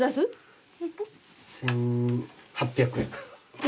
１，８００円。